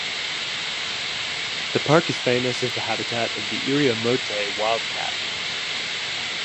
The park is famous as the habitat of the Iriomote wild cat.